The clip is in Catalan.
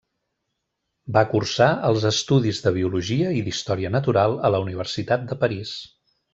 Va cursar els estudis de Biologia i d'història natural a la Universitat de París.